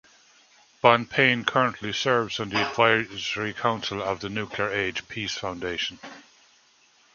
Bonpane currently serves on the Advisory Council of the Nuclear Age Peace Foundation.